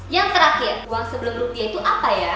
yang terakhir uang sebelum rupiah itu apa ya